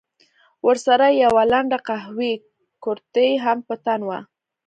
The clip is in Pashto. ورسره يې يوه لنډه قهويي کورتۍ هم په تن وه.